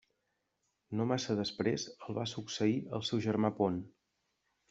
No massa després el va succeir el seu germà Pont.